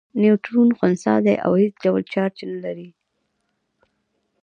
نیوټرون خنثی دی او هیڅ ډول چارچ نلري.